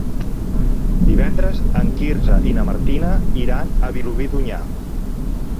Divendres en Quirze i na Martina iran a Vilobí d'Onyar.